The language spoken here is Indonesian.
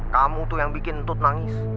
kamu tuh yang bikin untuk nangis